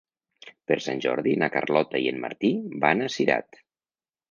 Per Sant Jordi na Carlota i en Martí van a Cirat.